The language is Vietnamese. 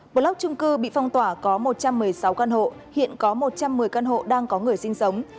block trung cư bị phong tỏa có một trăm một mươi sáu căn hộ hiện có một trăm một mươi căn hộ đang có người sinh sống